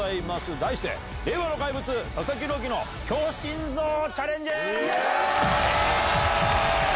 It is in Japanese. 題して「令和の怪物佐々木朗希強心臓チャレンジ」。